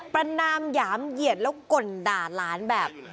ประนามหยามเหยียดแล้วก่นด่าหลานแบบ